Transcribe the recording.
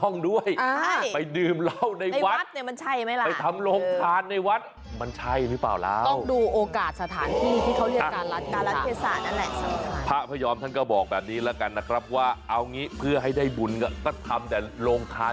น้ำเปลี่ยนนิสัย